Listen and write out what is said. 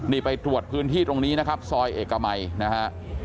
นี่ไปตรวจพื้นที่ตรงนี้นะครับซอยเอกมัยนะฮะ